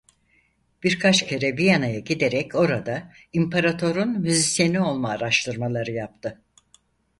Birkaç kere Viyana giderek orada imparatorun müzisyeni olma araştırmaları yaptı.